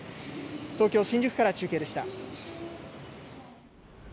東京・新宿から中継でした。